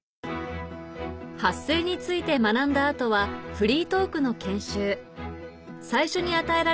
発声について学んだ後はフリートークの研修